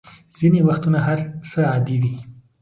ځینې وختونه هر څه عادي وي.